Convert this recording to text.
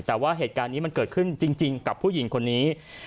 แต่ว่าเหตุการณ์นี้มันเกิดขึ้นจริงกับผู้หญิงคนนี้